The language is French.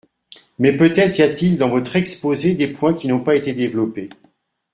Mais peut-être y a-t-il dans votre exposé des points qui n’ont pas été développés.